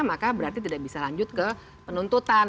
maka berarti tidak bisa lanjut ke penuntutan